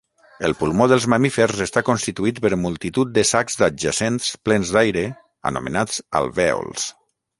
El pulmó dels mamífers està constituït per multitud de sacs adjacents plens d'aire anomenats alvèols.